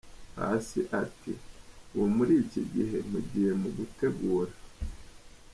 Paccy ati, Ubu muri iki gihe mpugiye mu gutegura.